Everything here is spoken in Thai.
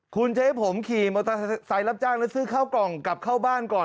คุณจะให้ผมขี่มอเตอร์ไซค์รับจ้างแล้วซื้อข้าวกล่องกลับเข้าบ้านก่อน